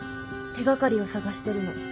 手がかりを探してるの。